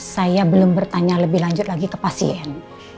saya belum bertanya lebih lanjut lagi ke pasien